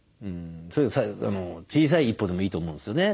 小さい一歩でもいいと思うんですよね。